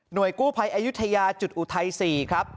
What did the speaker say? กู้ภัยอายุทยาจุดอุทัย๔ครับ